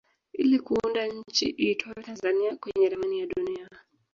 ili kuunda nchi iitwayo Tanzania kwenye ramani ya dunia